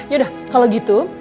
yaudah kalau gitu